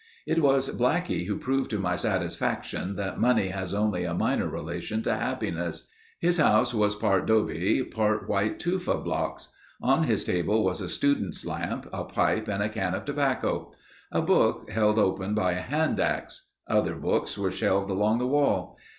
It was Blackie who proved to my satisfaction that money has only a minor relation to happiness. His house was part dobe, part white tufa blocks. On his table was a student's lamp, a pipe, and can of tobacco. A book held open by a hand axe. Other books were shelved along the wall.